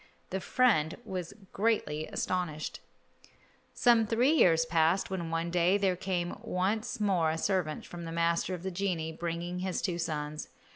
The friend was greatly astonished. Some three years passed when one day there came once more a servant from the master of the genii, bringing his two sons.